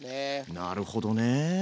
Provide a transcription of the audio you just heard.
なるほどね。